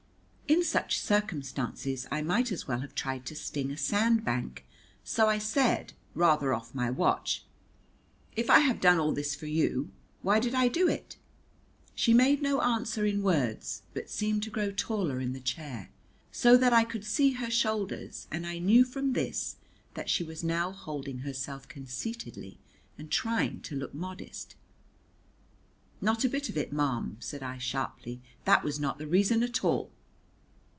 In such circumstances I might as well have tried to sting a sand bank, so I said, rather off my watch, "If I have done all this for you, why did I do it?" She made no answer in words, but seemed to grow taller in the chair, so that I could see her shoulders, and I knew from this that she was now holding herself conceitedly and trying to look modest. "Not a bit of it, ma'am," said I sharply, "that was not the reason at all."